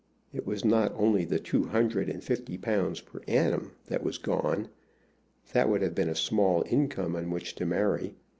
It was not only the two hundred and fifty pounds per annum that was gone: that would have been a small income on which to marry.